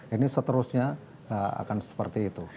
ini seterusnya akan seperti itu